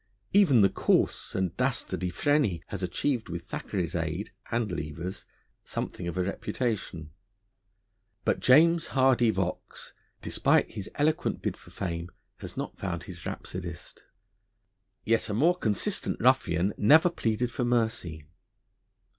Even the coarse and dastardly Freney has achieved, with Thackeray's aid (and Lever's) something of a reputation. But James Hardy Vaux, despite his eloquent bid for fame, has not found his rhapsodist. Yet a more consistent ruffian never pleaded for mercy.